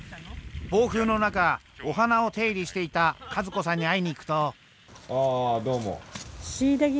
暴風の中お花を手入れしていた和子さんに会いに行くと。